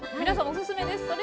皆さんおすすめです。